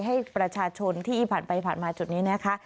ให้ประชาชนที่ผ่านไปผ่านมาจุดนี้นะคะ